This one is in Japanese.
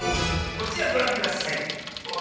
こちらごらんください！